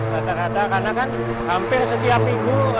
rata rata karena kan hampir setiap minggu